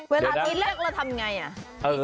เวลาอาทิตย์แรกเราทำยังไง